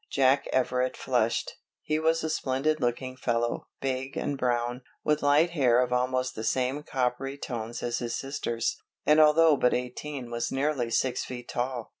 Jack Everett flushed. He was a splendid looking fellow, big and brown, with light hair of almost the same coppery tones as his sister's, and although but eighteen was nearly six feet tall.